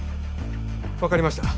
わかりました。